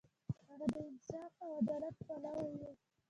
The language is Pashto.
هغه د انصاف او عدالت پلوی و.